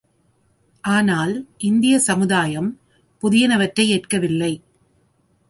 ஆனால் இந்திய சமுதாயம் புதியன வற்றை ஏற்கவில்லை.